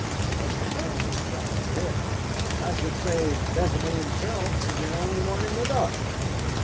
He must have known his son was hit. I should say Bethany himself was the only one in the dark.